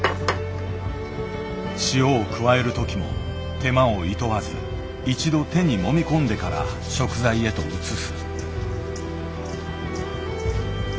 塩を加える時も手間をいとわず一度手にもみこんでから食材へと移す。